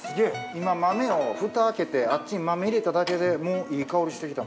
今豆のフタ開けてあっちに豆入れただけでもういい香りしてきた。